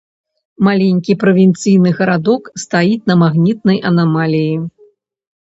Маленькі правінцыйны гарадок стаіць на магнітнай анамаліі.